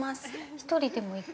◆１人でも行く？